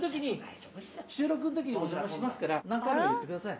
収録の時にお邪魔しますから何かあれば言ってください。